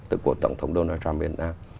từ của tổng thống donald trump việt nam